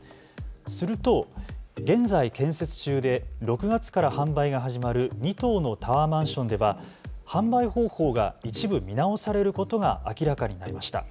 すると現在建設中で６月から販売が始まる２棟のタワーマンションでは販売方法が一部見直されることが明らかになりました。